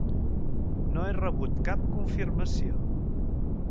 No he rebut cap confirmació.